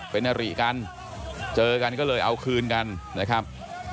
เป็นอริกันเจอกันก็เลยเอาคืนกันนะครับ